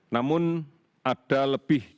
namun ada lebih dari